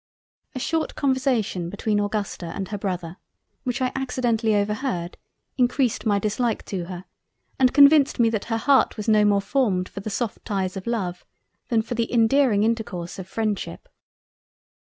A short Conversation between Augusta and her Brother, which I accidentally overheard encreased my dislike to her, and convinced me that her Heart was no more formed for the soft ties of Love than for the endearing intercourse of Freindship.